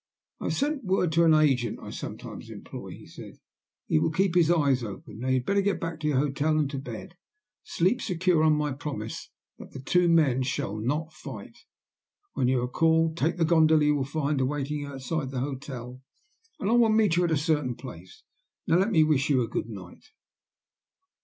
"I have sent word to an agent I sometimes employ," he said. "He will keep his eyes open. Now you had better get back to your hotel and to bed. Sleep secure on my promise that the two men shall not fight. When you are called, take the gondola you will find awaiting you outside the hotel, and I will meet you at a certain place. Now let me wish you a good night."